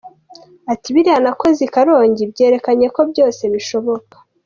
Ati “Biriya nakoze i Karongi byerekanye ko byose bishoboka.